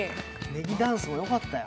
ネギダンスもよかったよ。